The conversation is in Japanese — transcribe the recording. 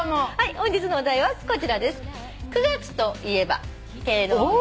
本日のお題はこちらです。